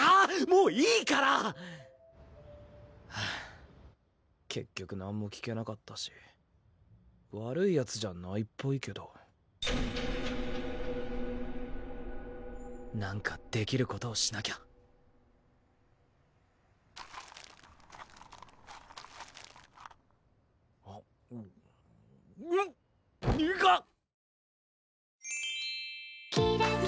もういいから！ハァ結局何も聞けなかったし悪いヤツじゃないっぽいけど何かできることをしなきゃぐっにがっ！